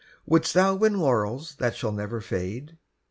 Wouldst thou win laurels that shall never fade?